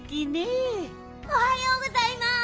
おはようございます。